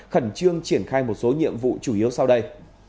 khẩn trương triển khai một số nhiệm vụ chủ yếu sau đây